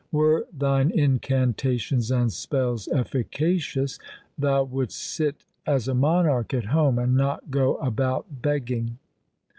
Were thine incantations and spells efficacious, thou wouldst sit as a monarch at home and not go about begging.